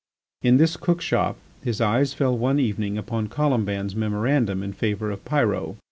In this cook shop his eyes fell one evening upon Colomban's memorandum in favour of Pyrot.